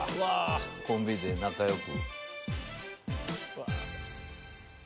コンビで仲良く。